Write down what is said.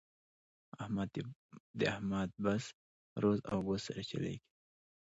د احمد بس روز او ګوز سره چلېږي.